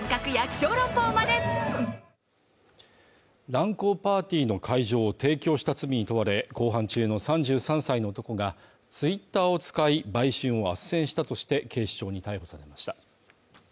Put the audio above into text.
乱交パーティーの会場を提供した罪に問われ公判中の３３歳の男がツイッターを使い、売春をあっせんしたとして警視庁に逮捕されました。